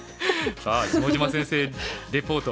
さあ下島先生レポート